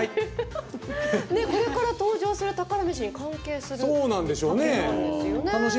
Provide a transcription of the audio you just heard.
これから登場する宝メシに関係する竹なんですよね。